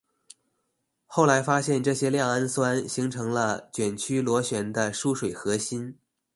后来发现这些亮氨酸形成了卷曲螺旋的疏水核心。